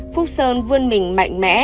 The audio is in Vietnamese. phúc sơn vươn mình mạnh mẽ